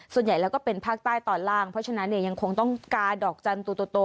ส่วนใหญ่แล้วก็เป็นภาคใต้ตอนล่างเพราะฉะนั้นเนี่ยยังคงต้องกาดอกจันทร์ตัวโต